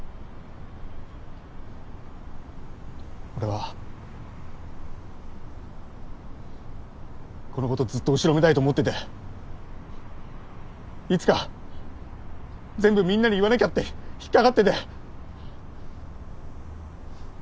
俺はこのことずっと後ろめたいと思ってていつか全部みんなに言わなきゃって引っ掛かってて。